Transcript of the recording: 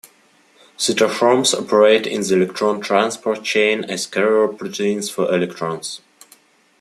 Cytochromes operate in the electron transport chain as carrier proteins for electrons.